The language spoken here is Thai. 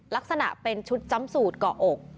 ลักษณะเป็นชุดจำสูตรเกาะอก